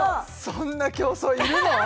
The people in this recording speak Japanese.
そんな競争要るの？